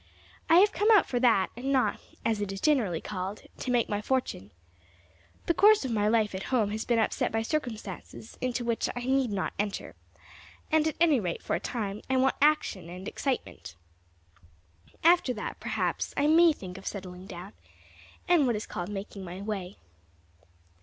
I have come out for that, and not, as it is generally called, to make my fortune. The course of my life at home has been upset by circumstances into which I need not enter, and, at any rate for a time, I want action, and excitement. After that, perhaps, I may think of settling down, and what is called making my way."